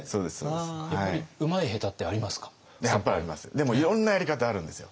でもいろんなやり方あるんですよ。